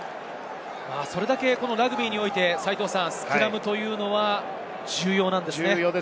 それだけラグビーにおいて、スクラムは重要なんですよね。